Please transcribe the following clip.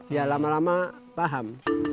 ya lama lama paham